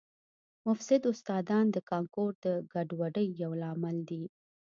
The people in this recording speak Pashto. مفسد استادان د کانکور د ګډوډۍ یو لامل دي